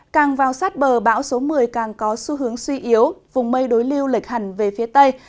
càng vào sát bờ bão số một mươi càng có xu hướng suy yếu vùng mây đối lưu lệch hẳn về phía tây